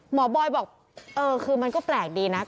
หมอบอยคือบอกเออมันก็แปลกดีนะ